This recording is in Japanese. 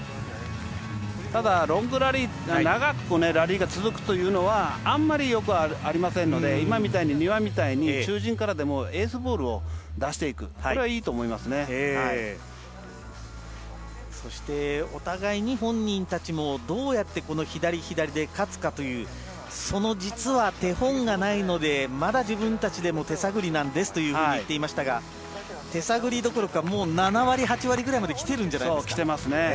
ただ、ロングラリー長くラリーが続くというのはあんまりよくはありませんので今の丹羽みたいに中陣からでもエースボールを出していくそして、お互いに本人たちもどうやってこの左左で勝つかというその手本がないのでまだ自分たちでも手探りですと言っていましたが手探りどころか７割、８割ぐらいまで来てるんじゃないですか。